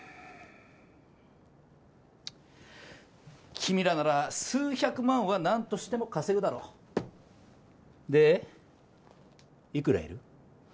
君らなら数百万は何としても稼ぐだろうでいくらいる？